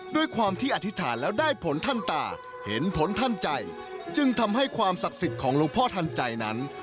ด้วยความที่อธิษฐานแล้วได้ผลทันตาเห็นผลทันใจจึงทำให้ความศักดิ์สิทธิ์ของหลวงพ่อทันใจนั้น